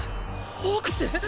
ホークス！？